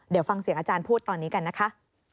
เดี๋ยวฟังเสียงอาจารย์พูดตอนนี้กันนะคะ